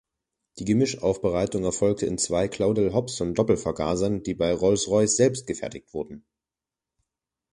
Die Gemischaufbereitung erfolgte in zwei Claudel-Hobson-Doppelvergasern, die bei Rolls-Royce selbst gefertigt wurden.